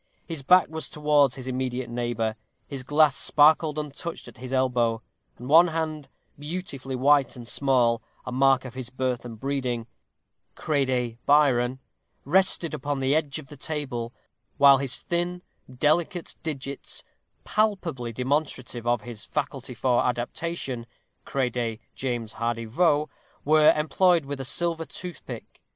His back was towards his immediate neighbor; his glass sparkled untouched at his elbow; and one hand, beautifully white and small, a mark of his birth and breeding crede Byron rested upon the edge of the table, while his thin, delicate digits, palpably demonstrative of his faculty of adaptation crede James Hardy Vaux were employed with a silver toothpick.